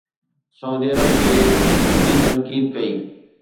سعودي عرب تي سڌي تنقيد ڪئي